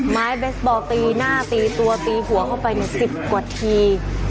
ไม้เบสบอลตีหน้าตีตัวตีหัวเข้าไป๑๐กว่าที